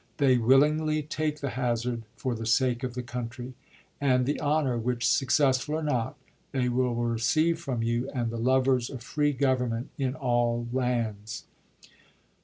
They willingly take the hazard for the sake of the country, and the honor, which, successful or not, they will receive from you and the lovers of free govern ment in aljl lands."